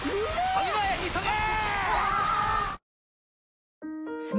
ファミマへ急げ！！